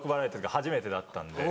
初めてだったんで。